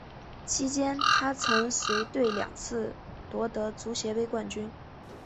期间她曾随队两次夺得足协杯冠军。